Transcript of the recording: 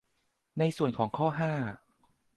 ในส่วนของข้อ ห้า